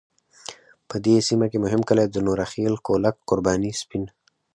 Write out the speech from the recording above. په دې سیمه کې مهم کلی د نوره خیل، کولک، قرباني، سپین .